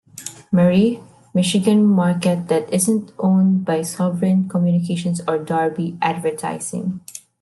Marie, Michigan market that isn't owned by Sovereign Communications or Darby Advertising.